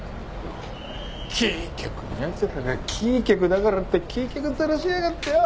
キー局のやつらがキー局だからってキー局ヅラしやがってよ。